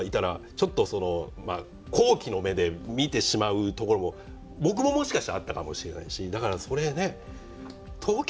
ちょっとその好奇の目で見てしまうところも僕ももしかしたらあったかもしれないしだからそれね東京だったらね